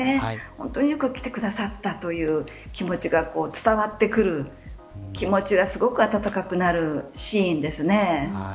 本当によく来てくださったという気持ちが伝わってくる気持ちがすごく温かくなるシーンですね。